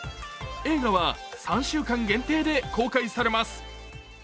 映画は３週間限定で公開されます。